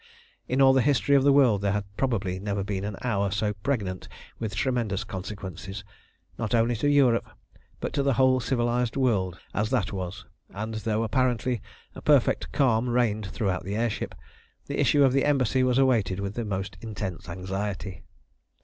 In all the history of the world there had probably never been an hour so pregnant with tremendous consequences, not only to Europe, but to the whole civilised world, as that was; and though apparently a perfect calm reigned throughout the air ship, the issue of the embassy was awaited with the most intense anxiety.